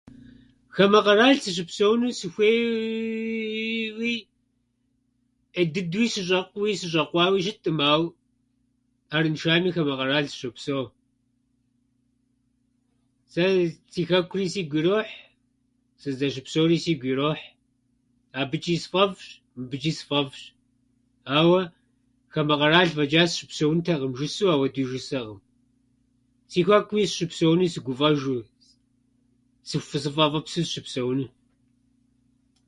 Хамэ къэрал сыщыпсэуну сыхуеейуи, ӏей дыдэу сыщӏэкъууи, сыщӏэкъуауи щытӏым, ауэ арыншами хамэ къэрал сыщопсэу. Сэ си хэкури сигу ирохь, сыздэщыпсэури сигу ирохь. Абычӏи сфӏэфӏщ мыбычӏи сфӏэфӏщ, ауэ хамэ къэрал фӏэчӏа сыщыпсэунтэкъым жысӏэу, апхуэдэу жысӏэкъым. Си хэкуми сыщыпсэуну сыгуфӏэжу, сыфы- сфӏэфӏыпсу сыщыпсэуну.